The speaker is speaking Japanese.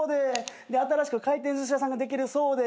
新しく回転寿司屋さんができるそうで。